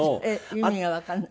意味がわからない。